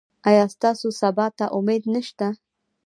ایا ستاسو سبا ته امید نشته؟